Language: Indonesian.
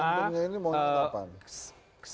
momentnya ini mau yang ke delapan